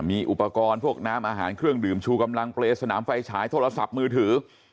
มีอุปกรณ์พวกน้ำอาหารเครื่องดื่มชูกำลังเปรย์สนามไฟฉายโทรศัพท์มือถือ